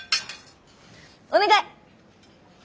お願い！